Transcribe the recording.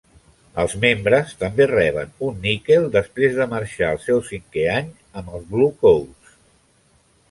Els membres també reben un níquel després de marxar el seu cinquè any amb els Bluecoats.